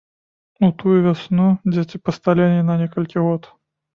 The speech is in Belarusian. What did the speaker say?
У тую вясну дзеці пасталелі на некалькі год.